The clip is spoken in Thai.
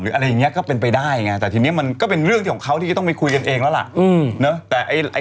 อะไรอย่างนี้ก็เป็นไปได้ไงแต่ทีนี้มันก็เป็นเรื่องที่เขาที่จะต้องไปคุยกันเองแล้วล่ะ